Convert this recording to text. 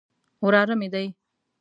وراره مې دی.